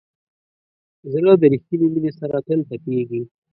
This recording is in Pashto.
زړه د ریښتینې مینې سره تل تپېږي.